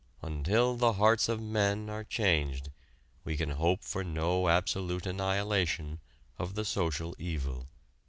Until the hearts of men are changed we can hope for no absolute annihilation of the Social Evil."